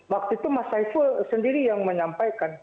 waktu itu mas saiful sendiri yang menyampaikan